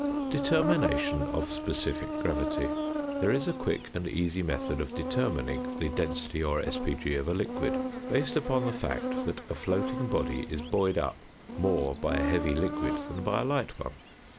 ~Determination of Specific Gravity.~ There is a quick and easy method of determining the density or sp. g. of a liquid, based upon the fact that a floating body is buoyed up more by a heavy liquid than by a light one.